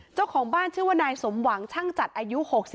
เจ้าของบ้านชื่อว่านายสมหวังช่างจัดอายุ๖๒